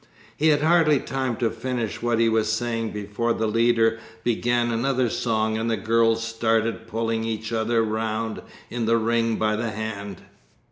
He had hardly time to finish what he was saying before the leader began another song and the girls started pulling each other round in the ring by the hand.